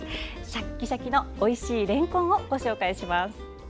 シャッキシャキのおいしいれんこんをご紹介します。